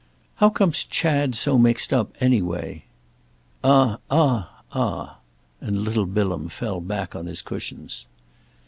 "How comes Chad so mixed up, anyway?" "Ah, ah, ah!"—and little Bilham fell back on his cushions.